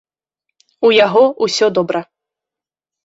У яго ўсё добра.